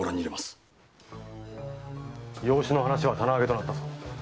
養子の話は棚上げとなったぞ。